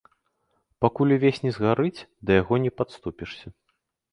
Пакуль увесь не згарыць, да яго не падступішся.